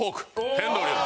天堂竜です。